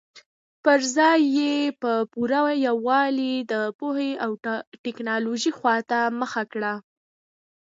پر ځای یې په پوره یووالي د پوهې او ټکنالوژۍ خواته مخه کړې.